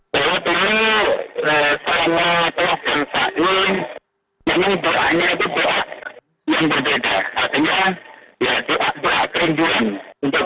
bahwa selama telah jenazah ini memang beranya berbuat yang berbeda